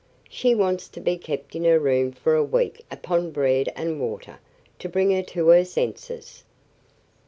She wants to be kept in her room for a week upon bread and water, to bring her to her senses."